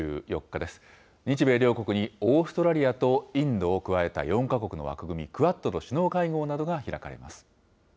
日米両国にオーストラリアとインドを加えた４か国の枠組み、クアッドの首脳会合などが開かれます。